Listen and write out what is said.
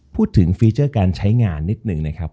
พูดถึงฟีเจอร์การใช้งานนิดนึงนะครับ